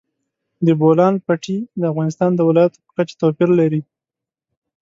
د بولان پټي د افغانستان د ولایاتو په کچه توپیر لري.